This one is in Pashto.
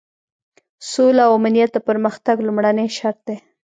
سوله او امنیت د پرمختګ لومړنی شرط دی.